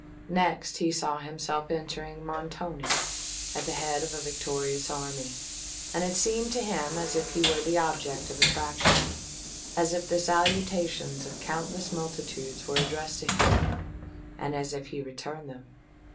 Next he saw himself entering Montoni at the head of a victorious army; and it seemed to him as if he were the object of attraction—as if the salutations of countless multitudes were addressed to him—and as if he returned them!